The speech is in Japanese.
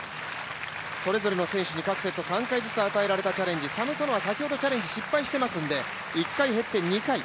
それぞれの選手に各セット３回ずつ与えられたチャレンジサムソノワ、先ほどチャレンジ失敗していますので、１回減って、２回。